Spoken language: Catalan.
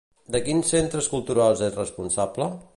De quins centres culturals és responsable?